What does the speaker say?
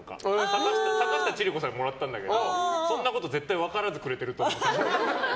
坂下千里子さんにもらったんだけどそんなこと分からずくれてるっぽい。